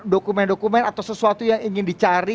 dokumen dokumen atau sesuatu yang ingin dicari